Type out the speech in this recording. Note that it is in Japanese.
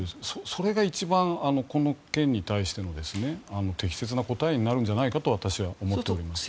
それが一番この件に関しての適切な答えになるんじゃないかと私は思っております。